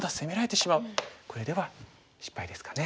これでは失敗ですかね。